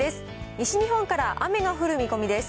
西日本から雨が降る見込みです。